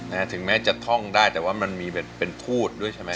ถึงแม้จะท่องได้แต่ว่ามันมีเป็นทูตด้วยใช่ไหม